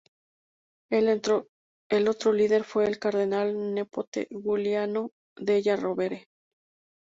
El otro líder fue el cardenal nepote Giuliano della Rovere.